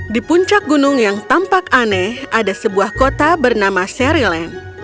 di puncak gunung yang tampak aneh ada sebuah kota bernama seri land